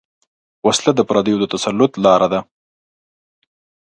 وسله د پردیو د تسلط لاره ده